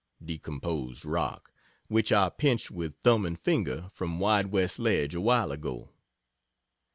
(decomposed rock) which I pinched with thumb and finger from "Wide West" ledge awhile ago.